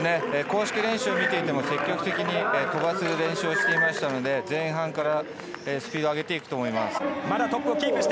公式練習を見ていても積極的にとばす練習をしていましたので前半からスピードを上げていくと思います。